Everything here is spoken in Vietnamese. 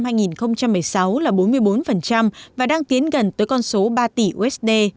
tăng hơn cùng kỳ năm hai nghìn một mươi sáu là bốn mươi bốn và đang tiến gần tới con số ba tỷ usd